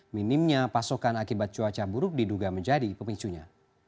minimnya pasokan akibat cuaca buruk diduga menjadi pemicunya